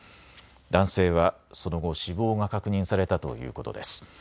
男性はその後、死亡が確認されたということです。